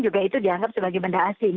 juga itu dianggap sebagai benda asing